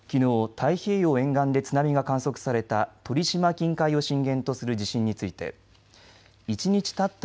太平洋沿岸で津波が観測された鳥島近海を震源とする地震について一日たった